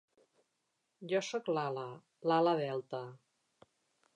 Jo sóc l'ala, l'ala Delta.